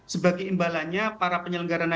sebagai imbalannya para penyelenggaran